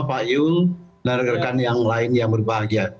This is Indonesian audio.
pak yul dan rekan rekan yang lain yang berbahagia